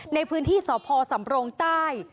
ในพื้นที่สพสำรงใต้